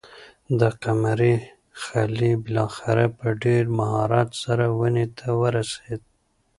د قمرۍ خلی بالاخره په ډېر مهارت سره ونې ته ورسېد.